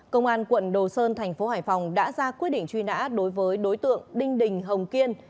công an quận đồ sơn thành phố hải phòng đã ra quyết định truy nã đối với đối tượng đinh đình hồng kiên